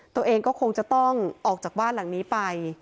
ตัวเองก็คงจะต้องออกจากบ้านหลังนี้ไป